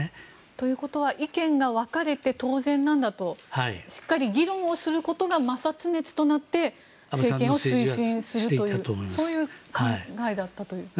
ということは意見が分かれて当然なんだとしっかり議論することが摩擦熱となって政権を推進していくというそういう考えだったという。